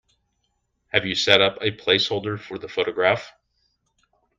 Have you set up a placeholder for the photograph?